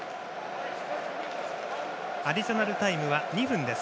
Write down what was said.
アディショナルタイムは２分です。